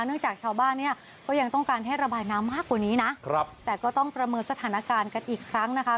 จากชาวบ้านเนี่ยก็ยังต้องการให้ระบายน้ำมากกว่านี้นะครับแต่ก็ต้องประเมินสถานการณ์กันอีกครั้งนะคะ